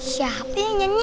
siapa yang nyanyi